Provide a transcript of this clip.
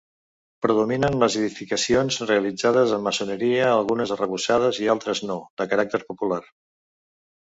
Predominen les edificacions realitzades en maçoneria, algunes arrebossades i altres no, de caràcter popular.